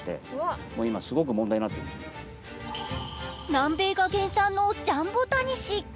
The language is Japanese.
南米が原産のジャンボタニシ。